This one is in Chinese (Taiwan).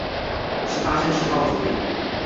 是八仙塵爆圖片